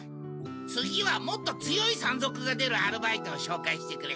次はもっと強い山賊が出るアルバイトをしょうかいしてくれ。